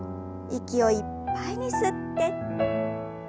息をいっぱいに吸って。